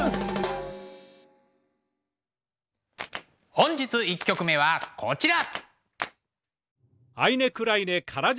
本日１曲目はこちら。